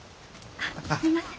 あっすみません。